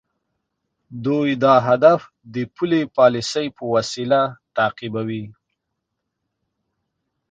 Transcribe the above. دوی دا هدف د پولي پالیسۍ په وسیله تعقیبوي.